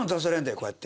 こうやって。